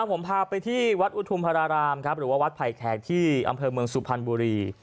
ผมพาไปที่วัดอุทุมภารารามครับหรือว่าวัดไผ่แขกที่อำเภอเมืองสุพรรณบุรี